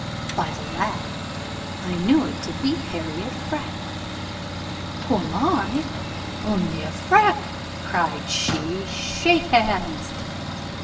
By the laugh I knew it to be Harriot Freke. 'Who am I? only a Freke!' cried she: 'shake hands.